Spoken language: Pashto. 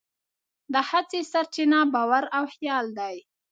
د هڅې سرچینه باور او خیال دی.